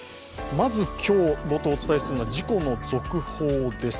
まず今日、冒頭お伝えするのは事故の続報です。